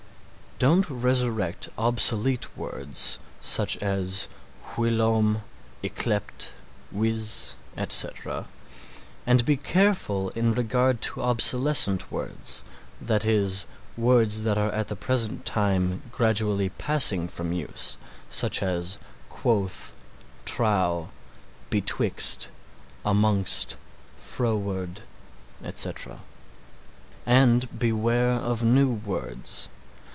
Don't resurrect obsolete words such as whilom, yclept, wis, etc., and be careful in regard to obsolescent words, that is, words that are at the present time gradually passing from use such as quoth, trow, betwixt, amongst, froward, etc. And beware of new words.